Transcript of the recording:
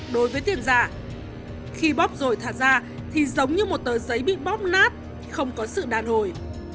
đối với tiền giả khi bóp rồi thả ra thì giống như một tờ giấy bị bóp nát không có sự đàn hồi